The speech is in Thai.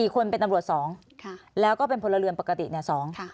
๔คนเป็นตำรวจ๒แล้วก็เป็นพลเรือนปกติเนี่ย๒